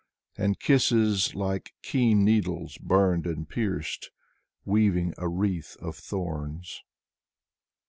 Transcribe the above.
And kisses like keen needles Burned and pierced, Weaving a wreath of thorns.